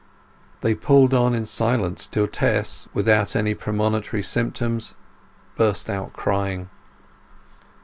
They pulled on in silence till Tess, without any premonitory symptoms, burst out crying.